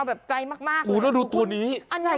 เอาแบบใกล้มากนะครับคุณพี่อันนี้มันเหมือนพ่อระบายน้ำ